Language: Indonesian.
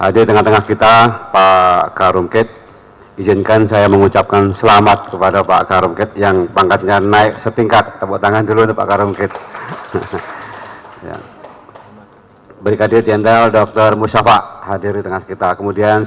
dari dvi dua orang enak enak